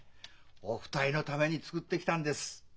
お二人のために作ってきたんです。